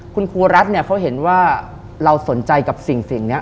คุณครูรัฐเนี่ยเขาเห็นว่าเราสนใจกับสิ่งนี้